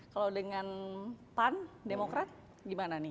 kalau dengan pan demokrat gimana nih